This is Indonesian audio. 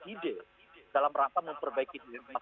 tidak dalam rasa memperbaiki sistem